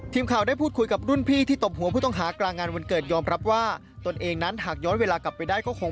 คือในลักษณะนี้ผมตบอีกครั้งแล้วส่องสอนน้อง